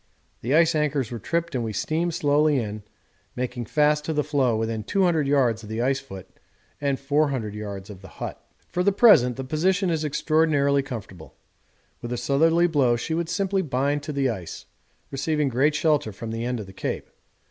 The ice anchors were tripped and we steamed slowly in, making fast to the floe within 200 yards of the ice foot and 400 yards of the hut. For the present the position is extraordinarily comfortable. With a southerly blow she would simply bind on to the ice, receiving great shelter from the end of the Cape.